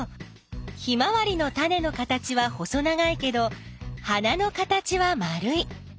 ヒマワリのタネの形は細長いけど花の形は丸い。